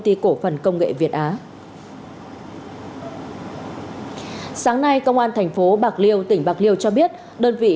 ty cổ phần công nghệ việt á sáng nay công an thành phố bạc liêu tỉnh bạc liêu cho biết đơn vị